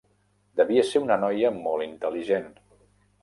Devia ser una noia molt intel·ligent.